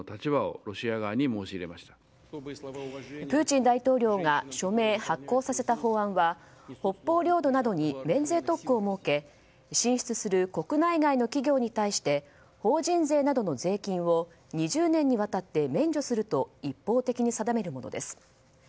プーチン大統領が署名・発効させた法案は北方領土などに免税特区を設け進出する国内外の企業に対して法人税などの税金を２０年にわたって免除すると一方的に定めるものです。